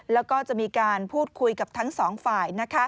แล้วก็จะมีการพูดคุยกับทั้งสองฝ่าย